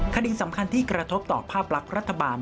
คดีสำคัญที่กระทบต่อภาพลักษณ์รัฐบาล